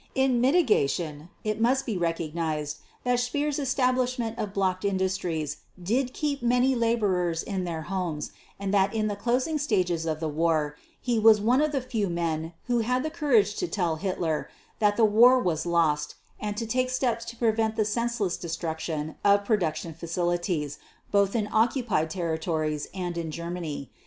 In mitigation it must be recognized that Speer's establishment of blocked industries did keep many laborers in their homes and that in the closing stages of the war he was one of the few men who had the courage to tell Hitler that the war was lost and to take steps to prevent the senseless destruction of production facilities, both in occupied territories and in Germany.